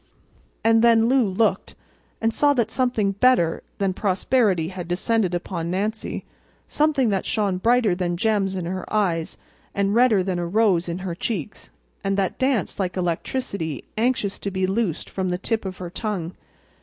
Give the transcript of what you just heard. And then Lou looked, and saw that something better than prosperity had descended upon Nancy—something that shone brighter than gems in her eyes and redder than a rose in her cheeks, and that danced like electricity anxious to be loosed from the tip of her tongue.